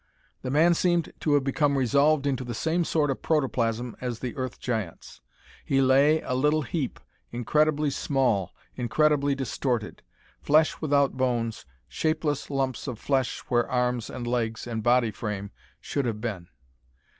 The man seemed to have become resolved into the same sort of protoplasm as the Earth Giants. He lay, a little heap, incredibly small, incredibly distorted. Flesh without bones, shapeless lumps of flesh where arms and legs and body frame should have been.